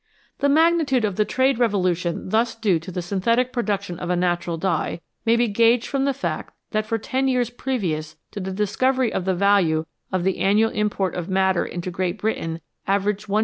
The magnitude of the trade revolution thus due to the synthetic production of a natural dye may be gauged from the fact that for ten years previous to the discovery the value of the annual import of madder into Great Britain averaged